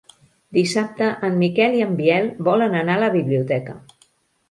Dissabte en Miquel i en Biel volen anar a la biblioteca.